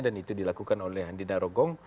dan itu dilakukan oleh andi narogong